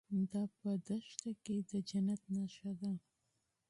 دا په دښته کې د جنت نښه ده.